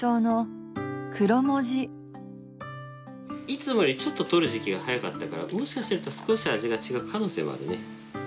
いつもよりちょっと採る時期が早かったからもしかすると少し味が違う可能性もあるね。